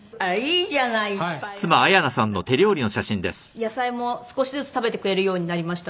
野菜も少しずつ食べてくれるようになりました。